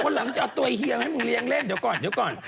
วันหลังจะเอาตัวเยียร์มาให้มึงเลี้ยงเล่นเดี๋ยวก่อน